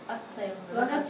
分かった。